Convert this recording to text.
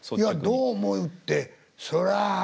どう思うってそらあ